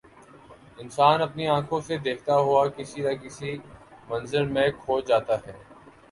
انسان اپنی آنکھوں سے دیکھتا ہوا کسی نہ کسی منظر میں کھو جاتا ہے۔